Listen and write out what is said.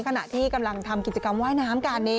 ขณะที่กำลังทำกิจกรรมว่ายน้ำกัน